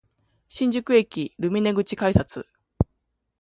新宿駅ルミネ口改札